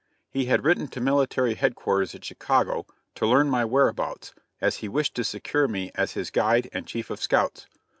He had written to military headquarters at Chicago to learn my whereabouts, as he wished to secure me as his guide and chief of scouts.